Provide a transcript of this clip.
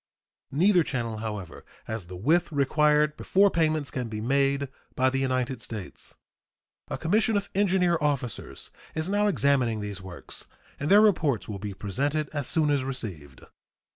Neither channel, however, has the width required before payments can be made by the United States. A commission of engineer officers is now examining these works, and their reports will be presented as soon as received.